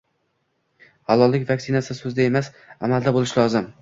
“Halollik vaksinasi” so‘zda emas, amalda bo‘lishi lozim...